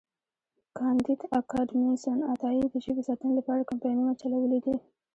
کانديد اکاډميسن عطایي د ژبې ساتنې لپاره کمپاینونه چلولي دي.